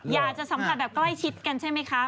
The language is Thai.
อยากจะสัมผัสแบบใกล้ชิดกันใช่ไหมคะ